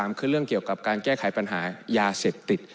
อันที่๓คือเรื่องเกี่ยวกับการแก้ไขปัญหายาเสร็จติด